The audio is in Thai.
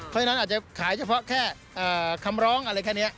เพราะฉะนั้นอาจจะขายเฉพาะแค่คำร้องอะไรแค่นี้